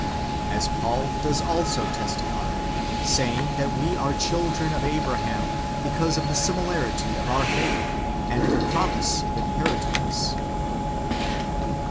As Paul does also testify, saying that we are children of Abraham because of the similarity of our faith, and the promise of inheritance.